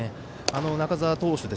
中澤投手